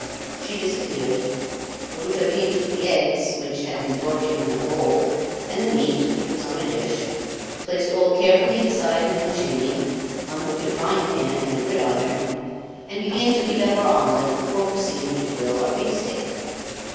She disappeared. Rouletabille took the eggs, which had been brought to him in a bowl, and the meat which was on a dish, placed all carefully beside him in the chimney, unhooked a frying pan and a gridiron, and began to beat up our omelette before proceeding to grill our beefsteak.